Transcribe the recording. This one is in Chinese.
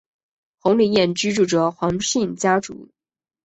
宏琳厝居住着黄姓家族。